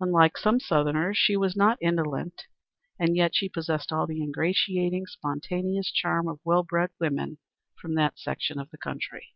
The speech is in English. Unlike some Southerners, she was not indolent, and yet she possessed all the ingratiating, spontaneous charm of well bred women from that section of the country.